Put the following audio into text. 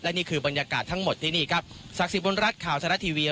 นี่คือบรรยากาศทั้งหมดที่นี่ครับศักดิ์สิทธบุญรัฐข่าวทะละทีวี